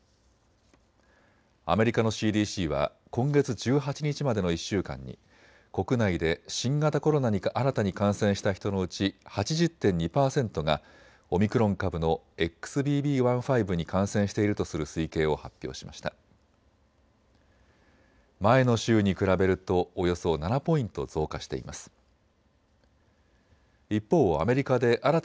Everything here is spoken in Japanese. アメリカのＣＤＣは今月１８日までの１週間に国内で新型コロナに新たに感染した人のうち８０．２％がオミクロン株のＸＢＢ．１．５に感染しているとする推計を発表しました。